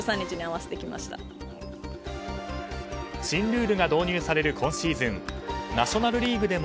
新ルールが導入される今シーズン。ナショナル・リーグ